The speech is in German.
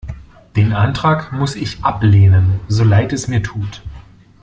Den Antrag muss ich ablehnen, so leid es mir tut.